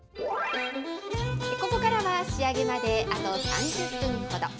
ここからは、仕上げまであと３０分ほど。